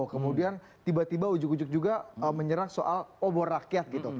kemudian tiba tiba ujug ujug juga menyerang soal obor rakyat gitu